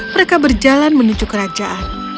mereka berjalan menuju kerajaan